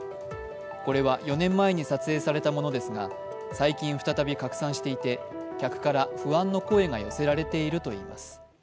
これは４年前に撮影されたものですが最近、再び拡散していて、客から不安の声が寄せられているといいます。